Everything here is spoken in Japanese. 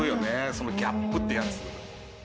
そのギャップってやつ。